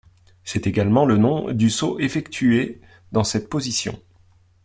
C'est également le nom du saut effectué dans cette position.